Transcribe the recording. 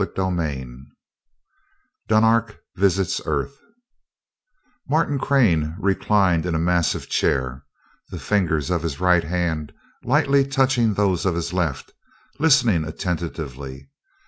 CHAPTER II Dunark Visits Earth Martin Crane reclined in a massive chair, the fingers of his right hand lightly touching those of his left, listening attentively.